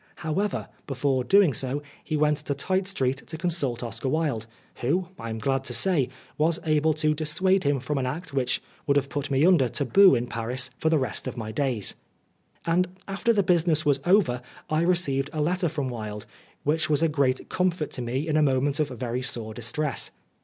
However, before doing so, he went to Tite Street to consult Oscar Wilde, who, I am glad, to say, was able to dissuade him from an act which would have put me under taboo in Paris for the rest of my days. And after the business was over, I received a letter from Wilde, which was a great comfort to me in a moment of very sore distress.